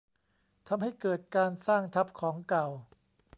ทำให้เกิดการสร้างทับของเก่า